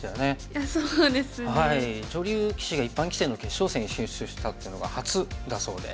女流棋士が一般棋戦の決勝戦に進出したっていうのが初だそうで。